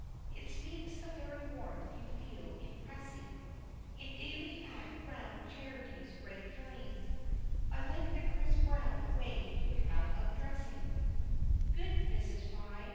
It speaks the very warmth you feel in pressing In daily act round Charity's great flame I like the crisp Browne way you have of dressing, Good Mrs. Fry!